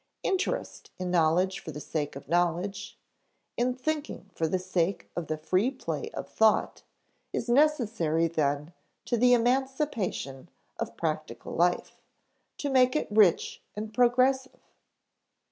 Interest in knowledge for the sake of knowledge, in thinking for the sake of the free play of thought, is necessary then to the emancipation of practical life to make it rich and progressive.